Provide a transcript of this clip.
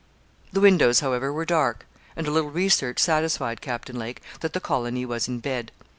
The windows, however, were dark, and a little research satisfied Captain Lake that the colony was in bed.